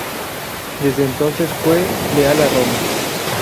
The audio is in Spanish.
Desde entonces fue leal a Roma.